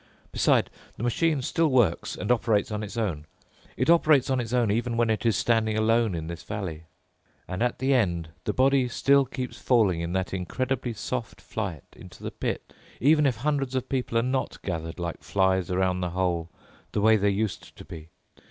Besides, the machine still works and operates on its own. It operates on its own even when it is standing alone in this valley. And at the end, the body still keeps falling in that incredibly soft flight into the pit, even if hundreds of people are not gathered like flies around the hole the way they used to be.